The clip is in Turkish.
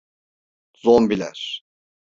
Zombiler…